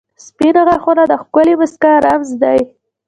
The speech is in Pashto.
• سپین غاښونه د ښکلې مسکا رمز دی.